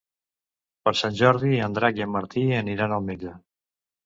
Per Sant Jordi en Drac i en Martí aniran al metge.